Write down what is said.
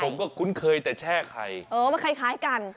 ผมก็คุ้นเคยแต่แช่ไข่เออมันคล้ายคล้ายกัน